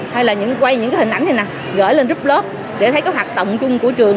hay là quay những hình ảnh này nè gửi lên group club để thấy các hoạt động chung của trường